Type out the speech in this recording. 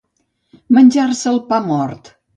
Menjar-se el pa mort.